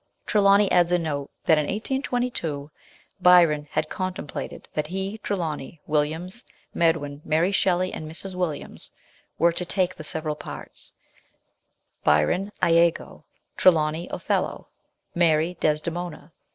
Trelawny adds a note that in 1822 Byron had contemplated that he, Trelawny, Williams, Med win, Mary Shelley, and Mrs. Williams were to take the several parts : Byron, lago ; Trelawny, Othello ; Mary, Desdemona.